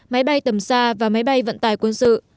máy bay tầm xa và máy bay vận tải quân sự